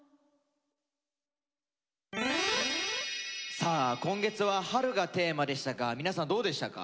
さあ今月は「春」がテーマでしたが皆さんどうでしたか？